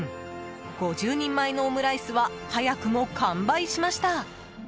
５０人前のオムライスは早くも完売しました。